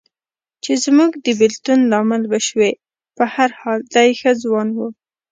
چې زموږ د بېلتون لامل به شوې، په هر حال دی ښه ځوان و.